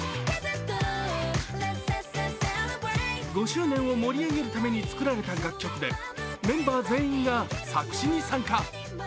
５周年を盛り上げるために作られた楽曲でメンバー全員が作詞に参加。